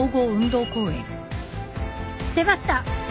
出ました！